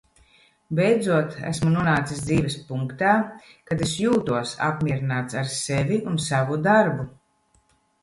Beidzot esmu nonācis dzīves punktā, kad es jūtos apmierināts ar sevi un savu darbu.